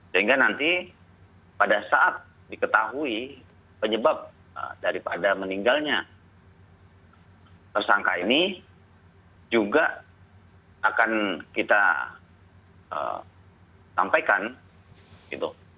sehingga nanti pada saat diketahui penyebab daripada meninggalnya tersangka ini juga akan kita sampaikan gitu